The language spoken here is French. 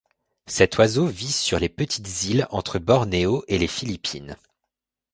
Cet oiseau vit sur les petites îles entre Bornéo et les Philippines.